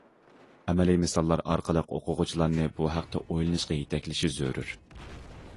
ئەمەلىي مىساللار ئارقىلىق ئوقۇغۇچىلارنى بۇ ھەقتە ئويلىنىشقا يېتەكلىشى زۆرۈر.